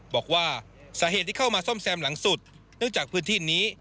บอกว่าสาเหตุที่เข้ามาซ่อมแซมหลังสุดเนื่องจากพื้นที่นี้